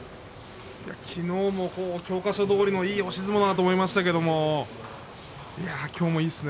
きのうも教科書どおりのいい押し相撲だなと思いましたけれどもきょうもいいですね。